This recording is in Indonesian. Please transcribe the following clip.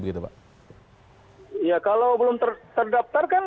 kalau belum terdaftar kan